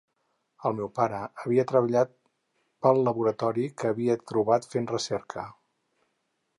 El meu pare havia treballat pel laboratori que havia trobat fent recerca.